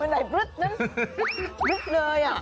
มันไหลปรึ๊ดนั่นปรึ๊ดเลยอ่ะ